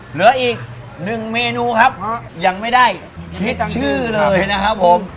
เหลืออีกหนึ่งเมนูครับยังไม่ได้คิดชื่อเลยนะครับผม